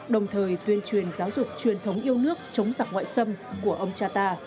đồng thời tuyên truyền giáo dục truyền thống yêu nước chống giặc ngoại xâm của ông cha ta